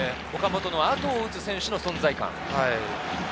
岡本の後を打つ選手の存在感。